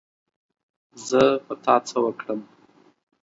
زه په تا څه وکړم